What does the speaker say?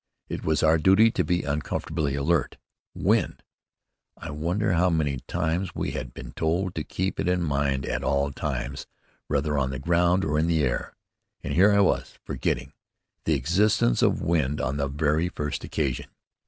It was our duty to be uncomfortably alert. Wind! I wonder how many times we had been told to keep it in mind at all times, whether on the ground or in the air? And here was I forgetting the existence of wind on the very first occasion.